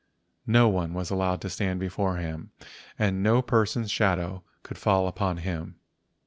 No one was allowed to stand before him and no person's shadow could fall upon him.